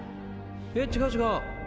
え違う違う！